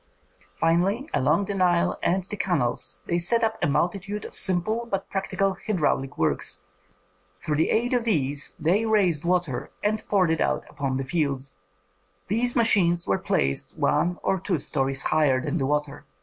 Finally, along the Nile and the canals they set up a multitude of simple but practical hydraulic works; through the aid of these they raised water and poured it out upon the fields; these machines were placed one or two stories higher than the water.